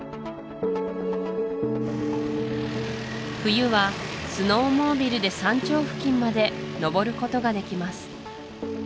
冬はスノーモービルで山頂付近まで登ることができます